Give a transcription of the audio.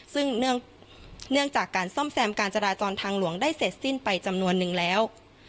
ซึ่งเนื่องจากการซ่อมแซมการจราจรทางหลวงได้เสร็จสิ้นไปจำนวนนึงแล้ว